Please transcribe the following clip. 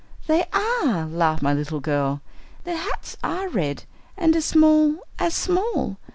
"They are," laughed my little girl. "Their hats are red, and as small as small!"